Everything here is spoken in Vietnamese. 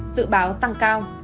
dự báo tăng cao